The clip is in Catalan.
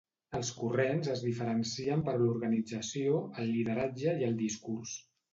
Els corrents es diferencien per l'organització, el lideratge i el discurs.